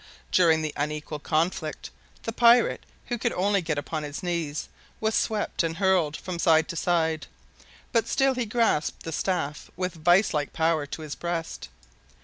During the unequal conflict, the pirate, who could only get upon his knees, was swept and hurled from side to side, but still he grasped the staff with vice like power to his breast.